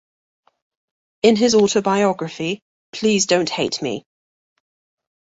In his autobiography, Please Don't Hate Me!